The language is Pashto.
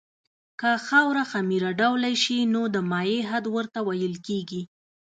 که خاوره خمیر ډوله شي نو د مایع حد ورته ویل کیږي